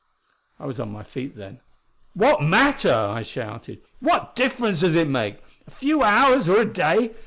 I was on my feet, then. "What matter?" I shouted. "What difference does it make a few hours or a day?